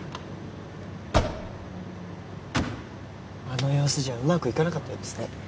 あの様子じゃうまくいかなかったようですね